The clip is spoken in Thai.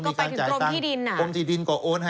ก็ไปถึงกรมที่ดิน